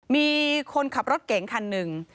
มีคนขับรถเก๋งคันหนึ่ง